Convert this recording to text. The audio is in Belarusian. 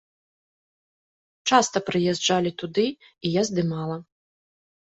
Часта прыязджалі туды, і я здымала.